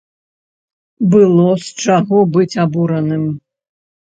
Было з чаго быць абураным.